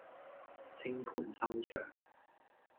淸盤收場